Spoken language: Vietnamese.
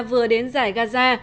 vừa đến giải gaza